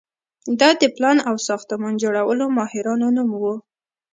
دا د پلان او ساختمان جوړولو ماهرانو نوم و.